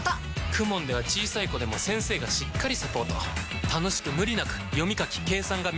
ＫＵＭＯＮ では小さい子でも先生がしっかりサポート楽しく無理なく読み書き計算が身につきます！